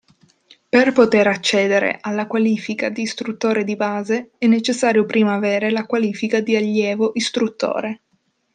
Per poter accedere alla qualifica di Istruttore di base è necessario prima avere la qualifica di Allievo istruttore.